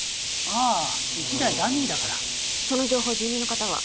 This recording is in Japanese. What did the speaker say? ああ１台ダミーだからその情報住人の方は？